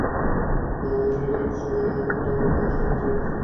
মানববন্ধন চলাকালে কিছু সময়ের জন্য ঢাকা-টাঙ্গাইল মহাসড়কে যান চলাচল বন্ধ ছিল।